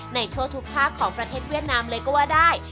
ทั่วทุกภาคของประเทศเวียดนามเลยก็ว่าได้